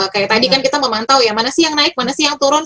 kayak tadi kan kita memantau ya mana sih yang naik mana sih yang turun